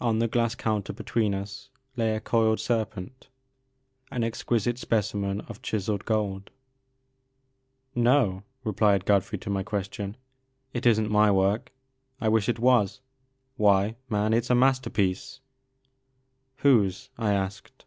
On the glass counter between us lay a coiled serpent, an exquisite specimen of chiselled gold. No," replied Godfrey to my question, it is n*t my work ; I wish it was. Why, man, it *s a masterpiece I" '^ Whose ?'» I asked.